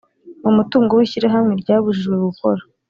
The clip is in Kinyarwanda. Umutungo w ishyirahamwe ryabujijwe gukora